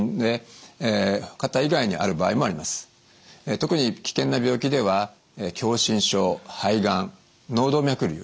特に危険な病気では狭心症肺がん脳動脈りゅう